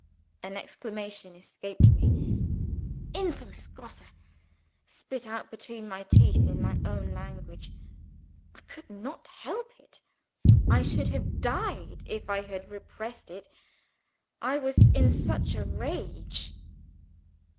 An exclamation escaped me ("Infamous Grosse!" spit out between my teeth in my own language). I could not help it. I should have died if I had repressed it I was in such a rage.